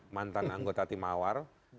mantan anggota tim mawar